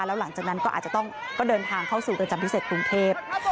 แล้วหลังจากนั้นก็อาจจะต้องก็เดินทางเข้าสู่เรือนจำพิเศษกรุงเทพ